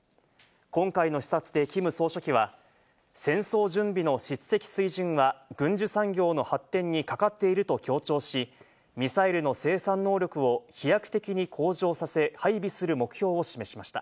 今回の視察でキム総書記は戦争準備の質的水準は軍需産業の発展にかかっていると強調し、ミサイルの生産能力を飛躍的に向上させ、配備する目標を示しました。